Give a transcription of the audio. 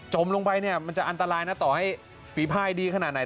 ลงไปเนี่ยมันจะอันตรายนะต่อให้ฝีภายดีขนาดไหน